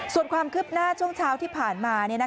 ส่วนความคืบหน้าช่วงเช้าที่ผ่านมา